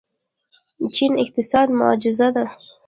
چین اقتصادي معجزه ده.